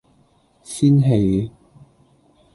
仙氣